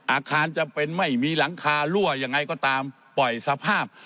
อาคารจะเป็นไม่มีหลังคารั่วยังไงก็ตามปล่อยสภาพ